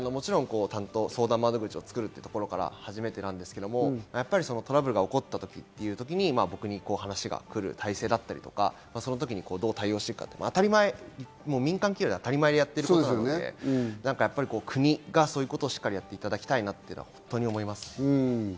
相談窓口を作るところから始めてなんですが、トラブルが起こったときに僕に話が来る体制だったり、その時にどう対応していくか、当たり前、民間企業では当たり前でやっていることなので、国がそういうことしっかりやっていただきたいなと思います。